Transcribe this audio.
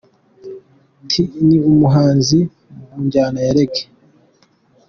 T ni umuhanzi mu njyana ya Reggae.